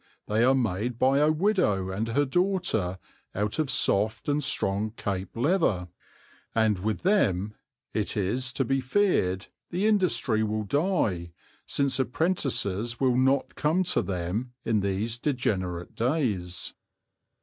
They are made by a widow and her daughter out of soft and strong Cape leather, and with them, it is to be feared, the industry will die, since apprentices will not come to them in these degenerate days.